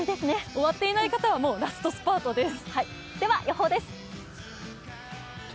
終わっていない方は、もうラストスパートです。